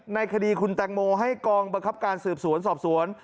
ในคดีคุณแตงโมให้กองบังคับการสืบสวนสอบสวน